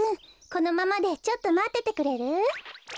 このままでちょっとまっててくれる？